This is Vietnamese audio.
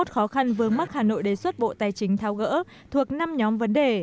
hai mươi khó khăn vướng mắc hà nội đề xuất bộ tài chính tháo gỡ thuộc năm nhóm vấn đề